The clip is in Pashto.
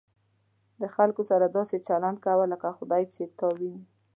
د خلکو سره داسې ژوند کوه لکه خدای چې تا ویني.